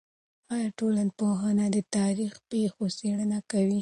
آیا ټولنپوهنه د تاریخي پېښو څېړنه کوي؟